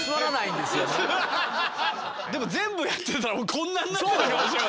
でも全部やってたらこんなんなってたかもしれませんね。